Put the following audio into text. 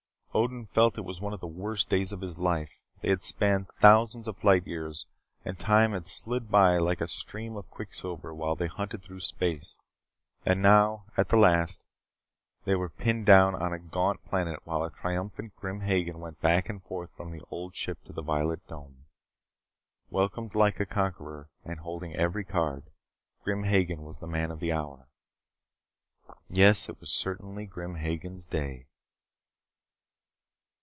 Odin felt that it was one of the worst days of his life. They had spanned thousands of light years and time had slid by like a stream of quicksilver while they hunted through space. And now, at the last, they were pinned down on a gaunt planet while a triumphant Grim Hagen went back and forth from the Old Ship to the violet dome. Welcomed like a conqueror, and holding every card, Grim Hagen was the man of the hour. Yes, it was certainly Grim Hagen's day.